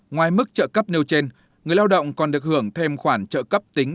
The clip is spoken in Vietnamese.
ngoài mức trợ cấp nêu trên người lao động còn được hưởng thêm khoản trợ cấp tính